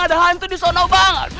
ada hantu disana bang